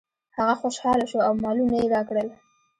هغه خوشحاله شو او مالونه یې راکړل.